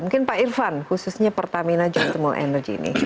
mungkin pak irfan khususnya pertamina geothermal energy ini